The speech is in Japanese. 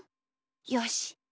よし。